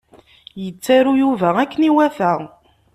Yettaru Yuba akken iwata.